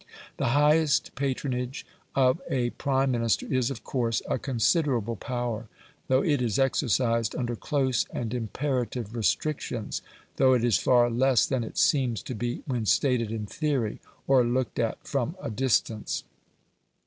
The highest patronage of a Prime Minister is, of course, a considerable power, though it is exercised under close and imperative restrictions though it is far less than it seems to be when stated in theory, or looked at from a distance.